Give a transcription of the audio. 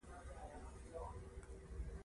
لاس مې پۀ سينه شو بنګړو شور اولګوو